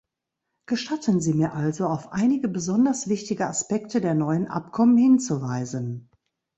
Gestatten Sie mir also, auf einige besonders wichtige Aspekte der neuen Abkommen hinzuweisen.